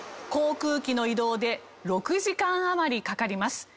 航空機の移動で６時間余りかかります。